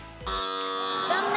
残念。